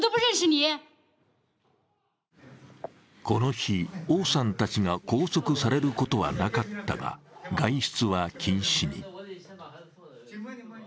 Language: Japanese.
この日、王さんたちが拘束されることはなかったが、外出は禁止に。